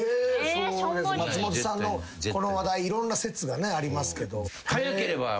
松本さんのこの話題いろんな説がありますけど。